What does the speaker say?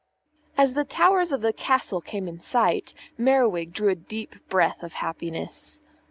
As the towers of the castle came in sight, Merriwig drew a deep breath of happiness.